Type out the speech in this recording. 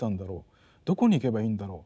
どこに行けばいいんだろう